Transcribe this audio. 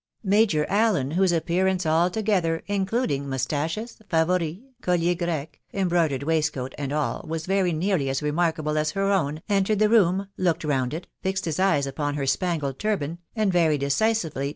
Major leu, whose appearance altogether, including tnouetaohes, fa [uris, collier grec, embroidered waistcoat, and all, was very irly as remarkable as her own, entered the room, looked md it, fixed his eyes upon ner spangled turban, and very ively.